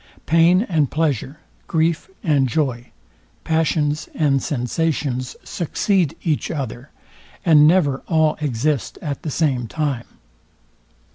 Pain and pleasure, grief and joy, passions and sensations succeed each other, and never all exist at the same time.